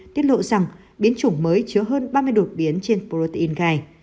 tiết lộ rằng biến chủng mới chứa hơn ba mươi đột biến trên protein gai